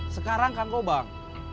sekarang kangkau bang